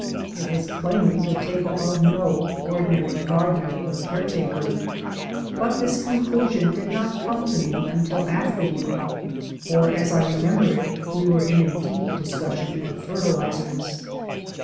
It was plainly the table of no ordinary gardener or caretaker but this conclusion did not come to me until afterward, for as I remember it, we were in a deep discussion of fertilizers.